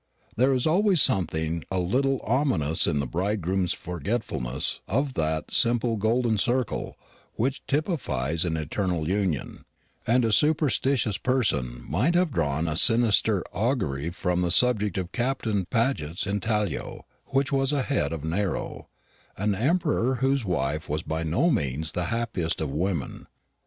There is always something a little ominous in the bridegroom's forgetfulness of that simple golden circle which typifies an eternal union; and a superstitious person might have drawn a sinister augury from the subject of Captain Paget's intaglio, which was a head of Nero an emperor whose wife was by no means the happiest of women.